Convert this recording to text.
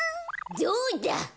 どうだ！